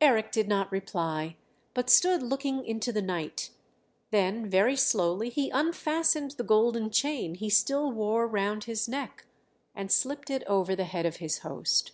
Eric did not reply, but stood looking into the night; then very slowly he unfastened the golden chain he still wore round his neck, and slipped it over the head of his host.